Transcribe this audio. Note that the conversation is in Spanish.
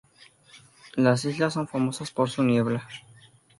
Las islas son famosas por su niebla.